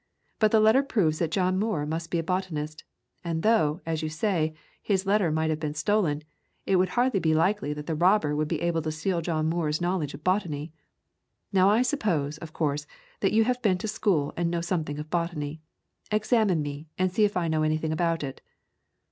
But the letter proves that John Muir must be a botanist, and though, as you say, his letter might have been stolen, it would hardly be likely that the robber would be able to steal John Muir's knowledge of botany. Now I suppose, of course, that you have been to school and know something of botany. Examine me and see if I know any thing about it."